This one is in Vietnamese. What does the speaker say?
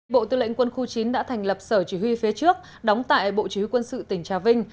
bộ tư lệnh quân khu chín đã thành lập sở chỉ huy phía trước đóng tại bộ chỉ huy quân sự tỉnh trà vinh